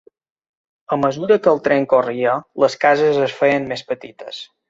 A mesura que el tren corria, les cases es feien més petites.